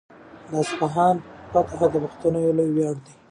د اصفهان فتحه د پښتنو یو لوی ویاړ دی.